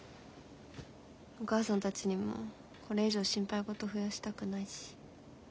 お母さんたちにもうこれ以上心配事増やしたくないし。